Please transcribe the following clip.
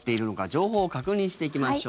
情報を確認していきましょう。